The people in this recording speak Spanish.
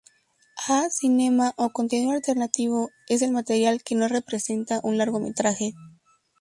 A-cinema o contenido alternativo es el material que no representa un largometraje.